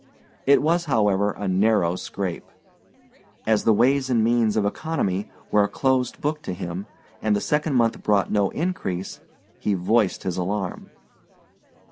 It was, however, a narrow scrape; as the ways and means of economy were a closed book to him and the second month brought no increase, he voiced his alarm.